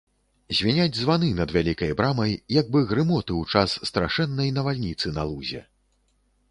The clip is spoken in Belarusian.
Звіняць званы над вялікай брамай, як бы грымоты ў час страшэннай навальніцы на лузе.